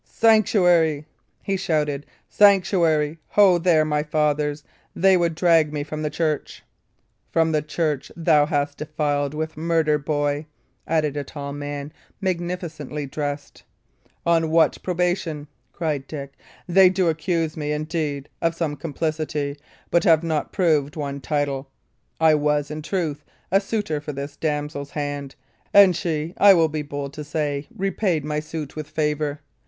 "Sanctuary!" he shouted. "Sanctuary! Ho, there, my fathers! They would drag me from the church!" "From the church thou hast defiled with murder, boy," added a tall man, magnificently dressed. "On what probation?" cried Dick. "They do accuse me, indeed, of some complicity, but have not proved one tittle. I was, in truth, a suitor for this damsel's hand; and she, I will be bold to say it, repaid my suit with favour.